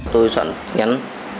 tôi xoắn nhắn